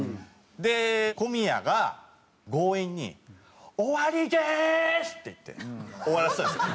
で小宮が強引に「終わりです！」って言って終わらせたんですよ。